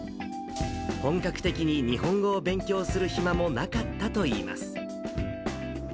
本格的に日本語を勉強する暇もなかったといいます。